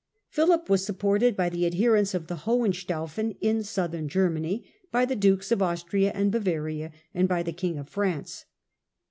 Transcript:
Philip was supported by the adherents of the Hohenstaufen in southern Germany, by the Dukes of Austria and Bavaria and by the King of France.